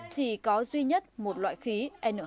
chỉ có duy nhất một loại khí n hai o